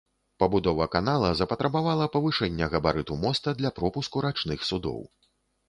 Пабудова канала запатрабавала павышэння габарыту моста для пропуску рачных судоў.